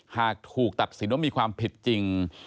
หากถูกตัดสินว่ามีความผิดจริง